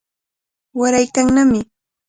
Waraykannami.